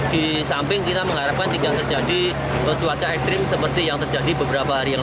di samping kita mengharapkan tidak terjadi cuaca ekstrim seperti yang terjadi beberapa hari yang lalu